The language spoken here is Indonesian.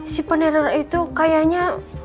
si peneror itu kayaknya